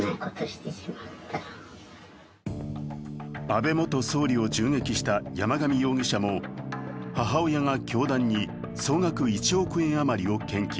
安倍元総理を銃撃した山上容疑者も母親が教団に総額１億円余りを献金。